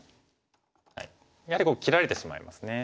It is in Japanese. やはり切られてしまいますね。